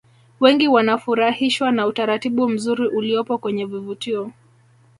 wengi wanafurahishwa na utaratibu mzuri uliopo kwenye vivutio